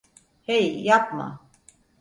Hey, yapma!